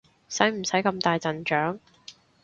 使唔使咁大陣仗？